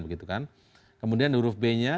begitu kan kemudian huruf b nya